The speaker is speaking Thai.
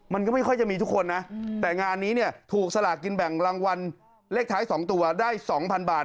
มันก็ไม่ค่อยจะมีทุกคนนะแต่งานนี้เนี่ยถูกสลากกินแบ่งรางวัลเลขท้าย๒ตัวได้๒๐๐บาท